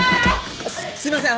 すすいません